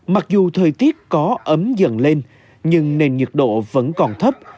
mặc dù thời tiết có ấm dần lên nhưng nền nhiệt độ vẫn còn thấp